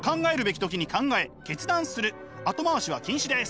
後回しは禁止です。